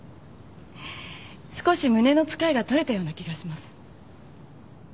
少し胸のつかえが取れたような気がします。